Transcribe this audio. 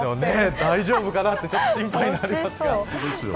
大丈夫かなとちょっと心配になりますが。